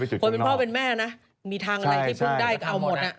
ซึ่งตอน๕โมง๔๕นะฮะทางหน่วยซิวได้มีการยุติการค้นหาที่